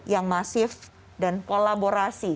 yang masif dan kolaborasi